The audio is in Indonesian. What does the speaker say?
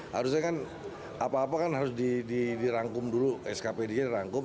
harusnya kan apa apa kan harus dirangkum dulu skpd nya dirangkum